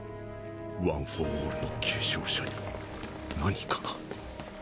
ワン・フォー・オールの継承者になにかが